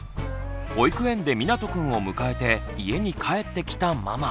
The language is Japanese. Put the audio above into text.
保育園でみなとくんを迎えて家に帰ってきたママ。